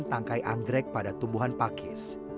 tangkai anggrek pada tumbuhan pakis